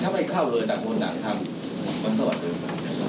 ถ้าไม่เข้าเลยต่างต่างความสะวัสดีกัน